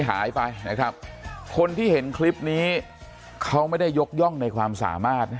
หายไปนะครับคนที่เห็นคลิปนี้เขาไม่ได้ยกย่องในความสามารถนะ